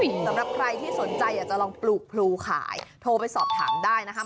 สำหรับใครที่สนใจอยากจะลองปลูกพลูขายโทรไปสอบถามได้นะคะ